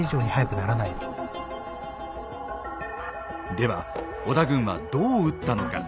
では織田軍はどう撃ったのか。